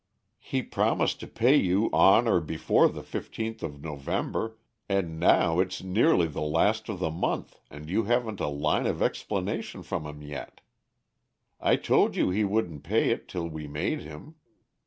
He promised to pay you on or before the fifteenth of November, and now it's nearly the last of the month and you haven't a line of explanation from him yet. I told you he wouldn't pay it till we made him.